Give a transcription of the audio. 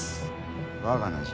我が名じゃ。